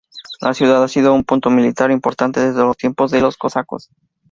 La ciudad ha sido un punto militar importante desde los tiempos de los cosacos.